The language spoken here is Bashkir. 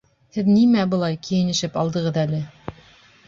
Һеҙ нимә былай кейенешеп алдығыҙ әле?